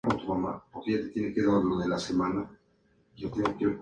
Milita en la Primera División B, tercera categoría del fútbol paraguayo.